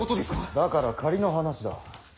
だから仮の話だ。